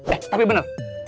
eh tapi bener